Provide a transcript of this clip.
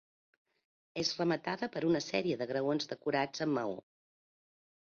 És rematada per una sèrie de graons decorats amb maó.